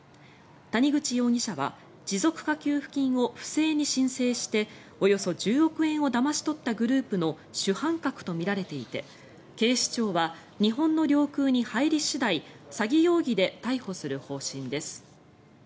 谷口容疑者は持続化給付金を不正に申請しておよそ１０億円をだまし取ったグループの主犯格とみられていて警視庁は日本の領空に入り次第詐欺容疑で逮捕する方針です。